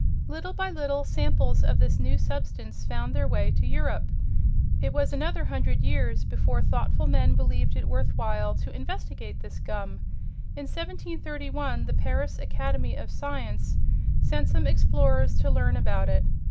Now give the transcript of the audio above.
Little by little samples of this new substance found their way to Europe. It was another hundred years before thoughtful men believed it worth while to investigate this gum. In 1731 the Paris Academy of Science sent some explorers to learn about it.